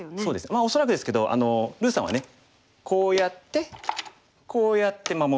まあ恐らくですけどるぅさんはねこうやってこうやって守る。